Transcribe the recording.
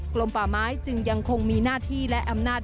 ลมป่าไม้จึงยังคงมีหน้าที่และอำนาจ